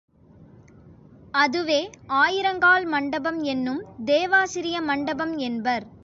அதுவே ஆயிரங்கால் மண்டபம் என்னும் தேவாசிரிய மண்டபம் என்பர்.